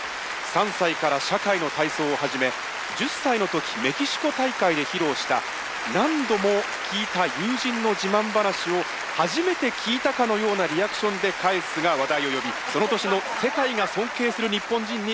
３歳から社会の体操を始め１０歳の時メキシコ大会で披露した「何度も聞いた友人の自慢話を初めて聞いたかのようなリアクションで返す」が話題を呼びその年の「世界が尊敬する日本人」に選ばれました。